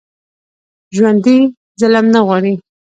ژوندي ظلم نه غواړي